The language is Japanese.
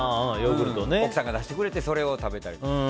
奥さんが出してくれてそれを食べたりとか。